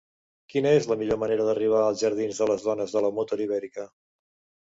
Quina és la millor manera d'arribar als jardins de les Dones de la Motor Ibèrica?